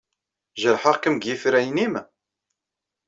Jerḥeɣ-kem deg yifrayen-nnem?